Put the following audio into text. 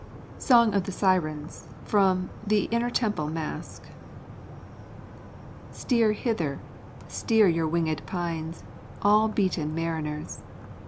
SONG OF THE SIRENS From 'The Inner Temple Masque' Steer hither, steer your wingèd pines, All beaten mariners!